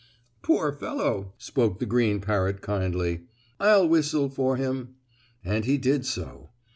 "Poor fellow!" spoke the green parrot kindly. "I'll whistle for him," and he did so.